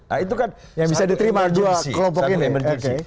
nah itu kan satu emergensi